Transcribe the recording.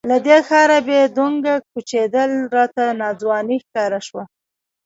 له دې ښاره بې ډونګه کوچېدل راته ناځواني ښکاره شوه.